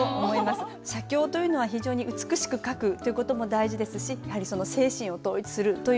写経というのは非常に美しく書くという事も大事ですしやはりその精神を統一するという意味ではね